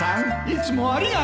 いつもありが。